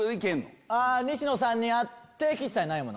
西野さんにあって岸さんにないもの。